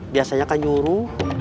biasanya kan nyuruh